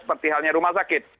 seperti halnya rumah sakit